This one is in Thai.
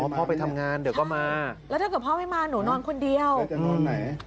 พ่อไปทำงานเดี๋ยวก็มาแล้วถ้าเกิดพ่อไม่มาหนูนอนคนเดียวจะนอนไหน